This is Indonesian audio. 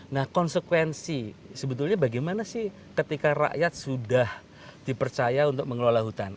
nah konsekuensi sebetulnya bagaimana sih ketika rakyat sudah dipercaya untuk mengelola hutan